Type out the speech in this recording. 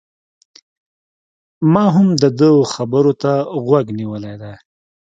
ما هم د ده و خبرو ته غوږ نيولی دی